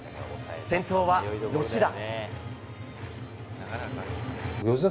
先頭は吉田。